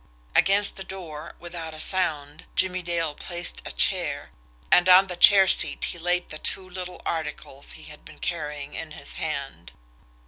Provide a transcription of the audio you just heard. Against the door, without a sound, Jimmie Dale placed a chair, and on the chair seat he laid the two little articles he had been carrying in his hand.